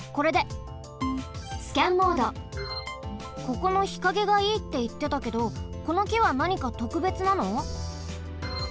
ここの日陰がいいっていってたけどこのきはなにかとくべつなの？